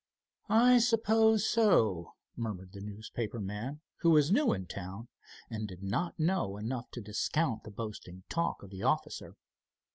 "I suppose so," murmured the newspaper man, who was new in town, and did not know enough to discount the boasting talk of the officer.